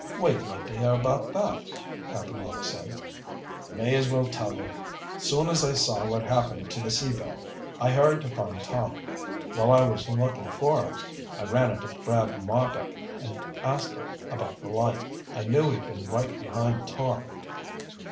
"We'd like to hear about that," Cap'n Mike said. "May as well tell you. Soon as I saw what happened to the Sea Belle, I hurried to find Tom. While I was looking for him, I ran into Brad Marbek and I asked him about the light. I knew he'd been right behind Tom.